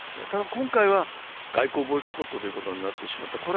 ただ今回は、外交的ボイコットということになってしまった。